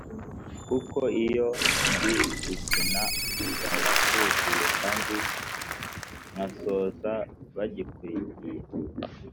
kuko iyo ndi gukina baba buzuye kandi nkasoza bagikurikiye